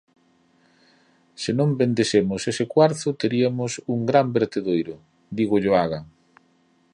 "Se non vendesemos ese cuarzo teriamos un gran vertedoiro", di Goyoaga.